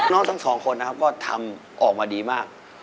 ทั้งสองคนนะครับก็ทำออกมาดีมาก